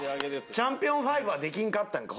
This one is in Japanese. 「チャンピオン５」はできんかったんか。